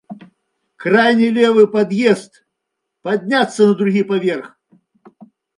Крайні левы пад'езд, падняцца на другі паверх.